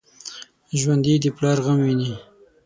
ژوندي د پلار غم ویني